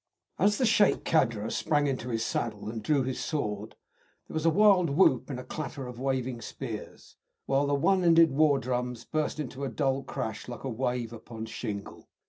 As the Sheik Kadra sprang into his saddle and drew his sword there was a wild whoop and a clatter of waving spears, while the one ended war drums burst into a dull crash like a wave upon shingle.